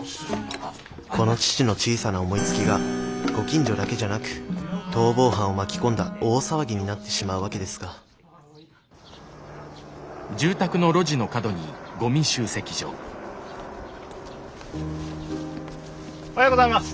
この父の小さな思いつきがご近所だけじゃなく逃亡犯を巻き込んだ大騒ぎになってしまうわけですがおはようございます。